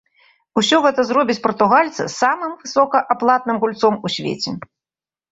Усё гэта зробіць партугальца самым высокааплатным гульцом у свеце.